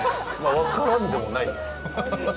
分からんでもないよ。